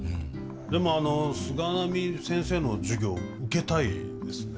でもあの菅波先生の授業受けたいですね。